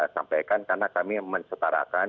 sampaikan karena kami menyetarakan